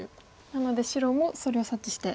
なので白もそれを察知して。